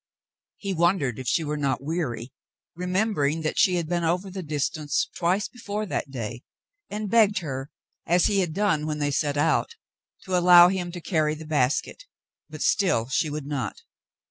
He wondered if she were not weary, remem bering that she had been over the distance twice before that day, and begged her, as he had done when they set out, to allow him to carry the basket, but still she would not.